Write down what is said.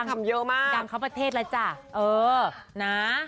นุ๊กจ้ะนุ๊กจ้างเข้าประเทศแล้วจ้ะเออนะ